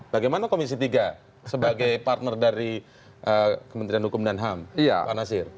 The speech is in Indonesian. bagaimana komisi tiga sebagai partner dari kementerian hukum dan ham pak nasir